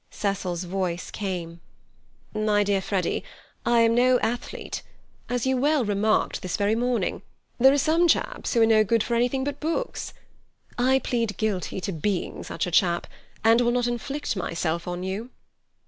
Cecil's voice came: "My dear Freddy, I am no athlete. As you well remarked this very morning, 'There are some chaps who are no good for anything but books'; I plead guilty to being such a chap, and will not inflict myself on you."